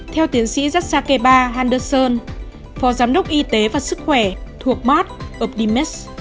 theo tiến sĩ zazakeba henderson phó giám đốc y tế và sức khỏe thuộc mark optimist